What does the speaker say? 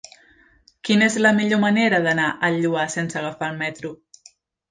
Quina és la millor manera d'anar al Lloar sense agafar el metro?